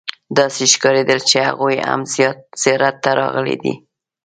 داسې ښکارېدل چې هغوی هم زیارت ته راغلي دي.